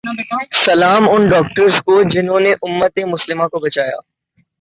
سلام ان ڈاکٹرز کو جہنوں نے امت مسلماں کو بچایا